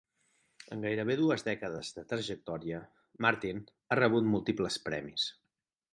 En gairebé dues dècades de trajectòria, Martin ha rebut múltiples premis.